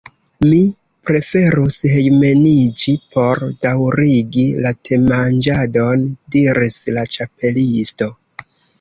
« Mi preferus hejmeniĝi por daŭrigi la temanĝadon," diris la Ĉapelisto.